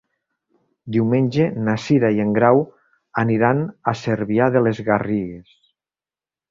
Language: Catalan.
Diumenge na Cira i en Grau aniran a Cervià de les Garrigues.